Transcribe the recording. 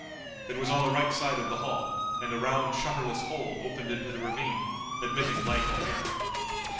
It was on the right side of the hall, and a round shutterless hole opened into the ravine, admitting light and air.